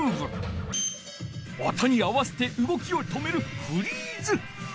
音に合わせてうごきを止める「フリーズ」。